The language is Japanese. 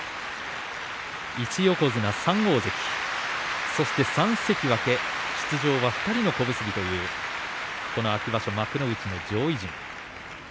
１横綱３大関そして３関脇出場は２人の小結というこの秋場所幕内の上位陣。